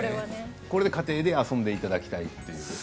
これで家庭で遊んでいただきたいという。